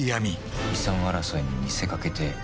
「遺産争いに見せかけて殺された」